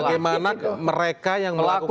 bagaimana mereka yang melakukan